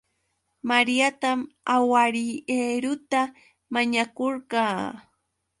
Mariatam awhariieruta mañakurqaa